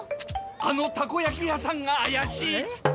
あのたこやき屋さんがあやしい！